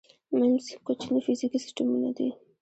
میمز کوچني فزیکي سیسټمونه دي.